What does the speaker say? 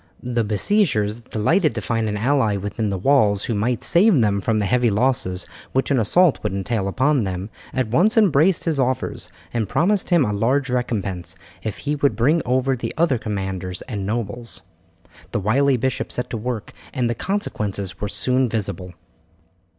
The besiegers, delighted to find an ally within the walls who might save them from the heavy losses which an assault would entail upon them, at once embraced his offers, and promised him a large recompense if he would bring over the other commanders and nobles. The wily bishop set to work, and the consequences were soon visible.